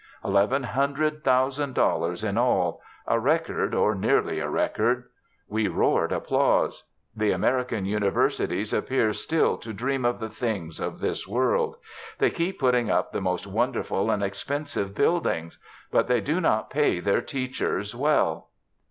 Eleven hundred thousand dollars in all a record, or nearly a record. We roared applause. The American universities appear still to dream of the things of this world. They keep putting up the most wonderful and expensive buildings. But they do not pay their teachers well.